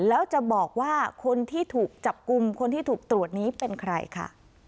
แล้วจะบอกว่าคนที่ถูกจับกลุ่มคนที่ถูกตรวจนี้เป็นใครค่ะ